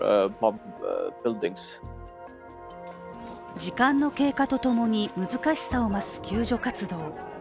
時間の経過とともに難しさを増す救助活動。